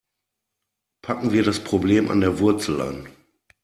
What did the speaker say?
Packen wir das Problem an der Wurzel an.